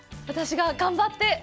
私が頑張って。